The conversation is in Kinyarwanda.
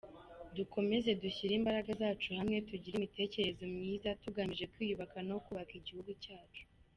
Dukomeze dushyire imbaraga zacu hamwe, tugire imitekerereze myiza tugamije kwiyubaka no kubaka igihugu cyacu.